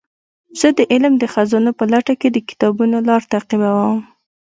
زه د علم د خزانو په لټه کې د کتابونو لار تعقیبوم.